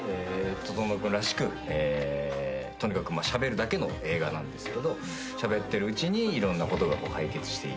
整君らしくとにかくしゃべるだけの映画なんですけどしゃべってるうちにいろんなことが解決していく。